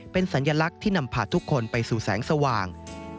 เป็นสัญลักษณ์ที่นำพาทุกคนไปสู่แสงสว่าง